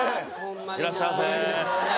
いらっしゃいませ！